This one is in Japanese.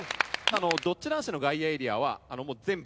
ドッジ男子の外野エリアはもう全部ですね。